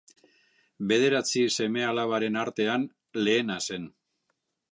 Bederatzi seme-alabaren artean lehena zen.